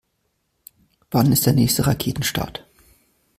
Wann ist der nächste Raketenstart?